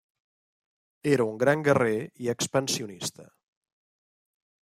Era un gran guerrer i expansionista.